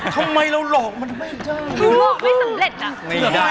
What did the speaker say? ทำไมเราหลอกไม่ได้